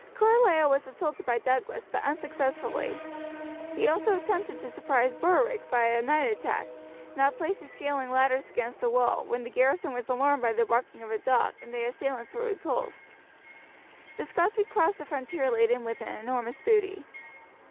Carlisle was assaulted by Douglas, but unsuccessfully. He also attempted to surprise Berwick by a night attack, and had placed his scaling ladders against the wall, when the garrison was alarmed by the barking of a dog, and the assailants were repulsed. The Scots recrossed the frontier laden with an enormous booty.